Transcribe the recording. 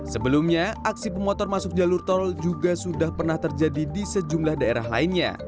sebelumnya aksi pemotor masuk jalur tol juga sudah pernah terjadi di sejumlah daerah lainnya